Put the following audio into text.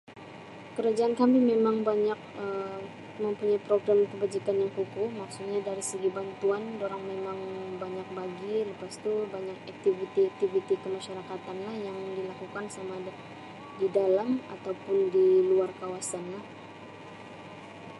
Kerajaan kami memang banyak Um mempunyai program kebajikan yang kukuh maksudnya dari segi bantuan dorang memang banyak bagi lepas tu banyak aktiviti-aktiviti kemasyarakatan lah yang dilakukan samada di dalam atau pun di luar kawasan lah.